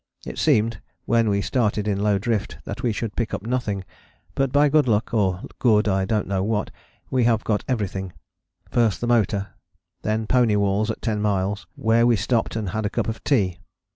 It seemed, when we started in low drift, that we should pick up nothing, but by good luck, or good I don't know what, we have got everything: first the motor, then pony walls at 10 miles, where we stopped and had a cup of tea.